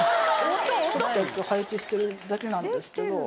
作ったやつを配置してるだけなんですけど。